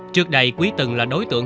trước đây quý từng là đối tượng